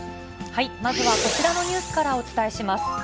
まずはこちらのニュースからお伝えします。